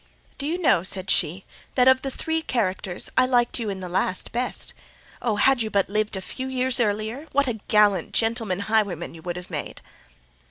"Do you know," said she, "that, of the three characters, I liked you in the last best? Oh, had you but lived a few years earlier, what a gallant gentleman highwayman you would have made!"